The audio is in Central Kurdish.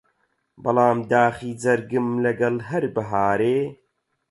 بەڵام داخی جەرگم لەگەڵ هەر بەهارێ